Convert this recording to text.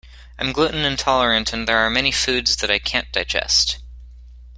I'm gluten intolerant, and there are many foods that I can't digest.